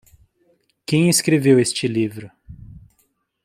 Quem escreveu este livro?